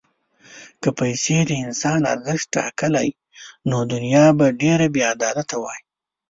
که پیسې د انسان ارزښت ټاکلی، نو دنیا به ډېره بېعدالته وای.